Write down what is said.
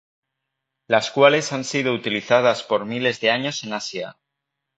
Las cuales han sido utilizadas por miles de años en Asia.